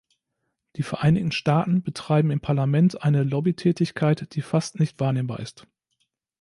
Die Vereinigten Staaten betreiben im Parlament eine Lobbytätigkeit, die fast nicht wahrnehmbar ist.